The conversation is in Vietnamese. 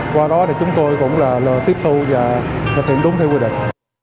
qua đó thì chúng tôi cũng là tiếp thu và thực hiện đúng theo quy định